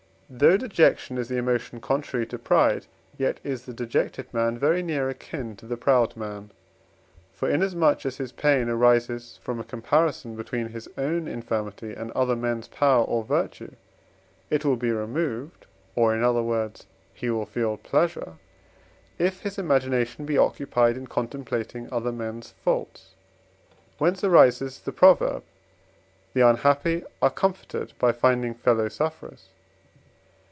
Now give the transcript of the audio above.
Though dejection is the emotion contrary to pride, yet is the dejected man very near akin to the proud man. For, inasmuch as his pain arises from a comparison between his own infirmity and other men's power or virtue, it will be removed, or, in other words, he will feel pleasure, if his imagination be occupied in contemplating other men's faults; whence arises the proverb, "The unhappy are comforted by finding fellow sufferers."